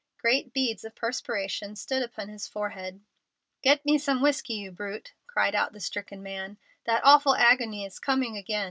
Great beads of perspiration stood upon his forehead. "Get me some whiskey, you brute!" cried out the stricken man. "That awful agony is coming again.